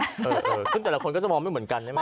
ซึ่งแต่ละคนก็จะมองไม่เหมือนกันใช่ไหม